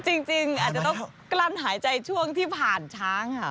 จริงอาจจะต้องกลั้นหายใจช่วงที่ผ่านช้างค่ะ